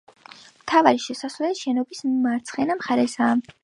მთავარი შესასვლელი შენობის მარცხენა მხარესაა.